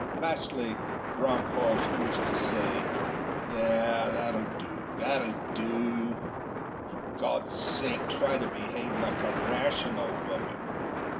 Lastly, Bronckhorst used to say, 'There! That'll do, that'll do. For God's sake try to behave like a rational woman.